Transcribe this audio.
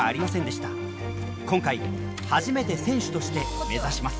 今回初めて選手として目指します。